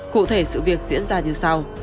cụ thể sự việc diễn ra như sau